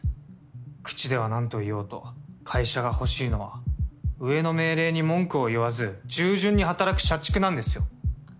口では何と言おうと会社が欲しいのは上の命令に文句を言わず従順に働く社畜なんですよ。